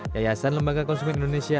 yayasan lembaga konsumen indonesia